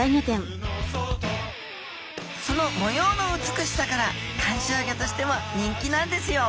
その模様の美しさから観賞魚としても人気なんですよ